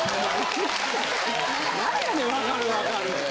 なんやねん分かる分かるって。